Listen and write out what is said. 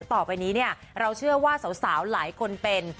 ต่อไปนี้เนี่ยเราเชื่อว่าสาวหลายคนเป็น